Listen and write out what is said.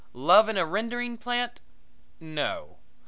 Love in a rendering plant? No.